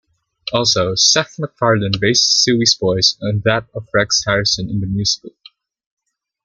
Also, Seth MacFarlane based Stewie's voice on that of Rex Harrison in the musical.